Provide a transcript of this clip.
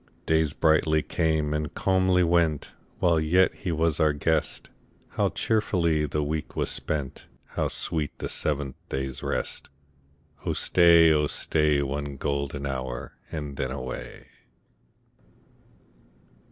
Days brightly came and calmly went, While yet he was our guest ; How cheerfully the week was spent ! How sweet the seventh day's rest ! Oh stay, oh stay. One golden hour, and then away.